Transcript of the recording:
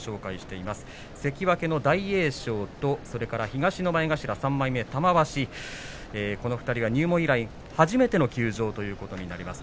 関脇の大栄翔と東の前頭３枚目、玉鷲この２人が入門以来、初めての休場ということになります。